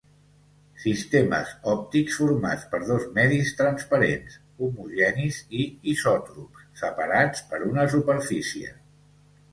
Sistemes òptics formats per dos medis transparents, homogenis i isòtrops, separats per una superfície.